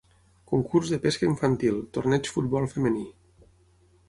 Concurs de pesca infantil, torneig futbol femení.